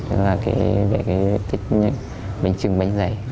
tức là cái thích bánh chưng bánh dày